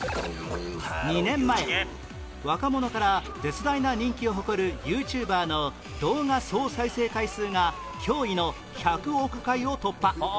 ２年前若者から絶大な人気を誇る ＹｏｕＴｕｂｅｒ の動画総再生回数が驚異の１００億回を突破